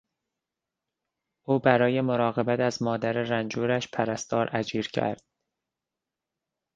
او برای مراقبت از مادر رنجورش پرستار اجیر کرد.